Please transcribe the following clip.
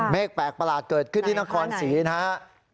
แปลกประหลาดเกิดขึ้นที่นครศรีนะครับ